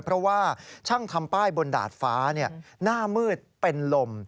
เพราะว่าช่างทำป้ายบนดาดฟ้าหน้ามืดเป็นลม